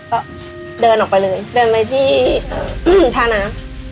ก็เดินออกไปเลยเดินไปที่ทาน้ำ